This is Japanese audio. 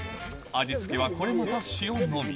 味付けはこれまた塩のみ。